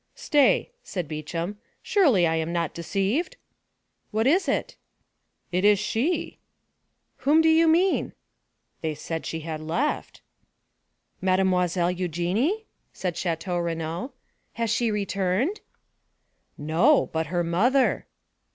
"Stay," said Beauchamp, "surely I am not deceived." "What is it?" "It is she!" "Whom do you mean?" "They said she had left." "Mademoiselle Eugénie?" said Château Renaud; "has she returned?" "No, but her mother."